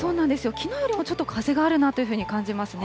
きのうよりもちょっと風があるなというふうに感じますね。